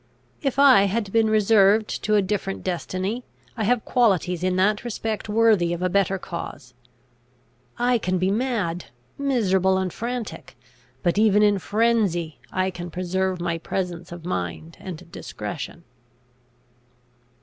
If I had been reserved to a different destiny, I have qualities in that respect worthy of a better cause. I can be mad, miserable, and frantic; but even in frenzy I can preserve my presence of mind and discretion."